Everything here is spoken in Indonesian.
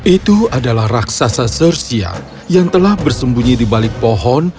itu adalah raksasa sirsial yang telah bersembunyi di balik pohon